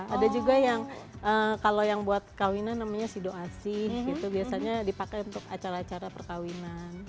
ada juga yang kalau yang buat kawinan namanya sido asih gitu biasanya dipakai untuk acara acara perkawinan